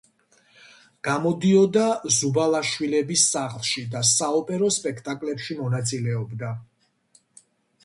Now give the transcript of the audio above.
გამოდიოდა ზუბალაშვილების სახლში და საოპერო სპექტაკლებში მონაწილეობდა.